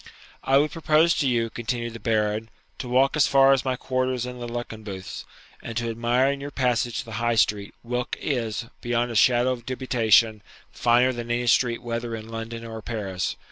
'I would propose to you,' continued the Baron,'to walk as far as my quarters in the Luckenbooths, and to admire in your passage the High Street, whilk is, beyond a shadow of dubitation, finer than any street whether in London or Paris.